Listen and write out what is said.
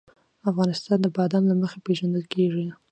افغانستان د بادام له مخې پېژندل کېږي.